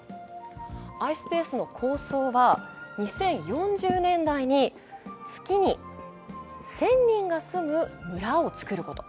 ｉｓｐａｃｅの構想は２０４０年代に月に１０００人が住む村を作ること。